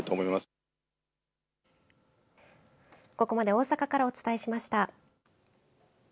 ここまで大阪からお伝えしました。